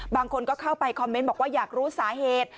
บางคนก็เข้าไปคอมเมนต์บอกว่าอยากรู้สาเหตุ